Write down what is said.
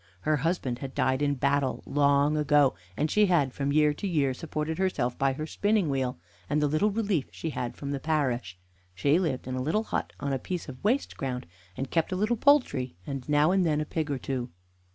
Her husband had died in battle long ago, and she had from year to year supported herself by her spinning wheel and the little relief she had from the parish. She lived in a little hut on a piece of waste ground, and kept a little poultry, and now and then a pig or two.